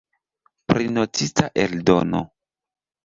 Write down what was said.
Prinotita eldono.